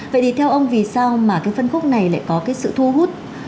vậy thì theo ông vì sao phân khúc này lại có sự thu hút